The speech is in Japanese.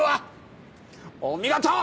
お見事！